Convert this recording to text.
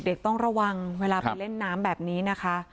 ต้องระวังเวลาไปเล่นน้ำแบบนี้นะคะ